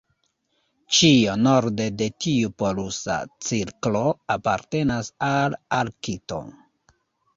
Ĉio norde de tiu polusa cirklo apartenas al Arkto.